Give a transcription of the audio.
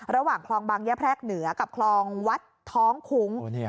ระหว่างคลองบางยะแพรกเหนือกับคลองวัดท้องคุ้ง